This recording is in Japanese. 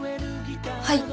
はい。